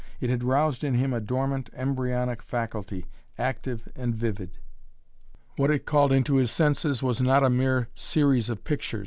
It had roused in him a dormant, embryonic faculty, active and vivid. What it called into his senses was not a mere series of pictures.